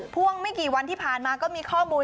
ช่วงไม่กี่วันที่ผ่านมาก็มีข้อมูล